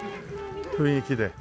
雰囲気で。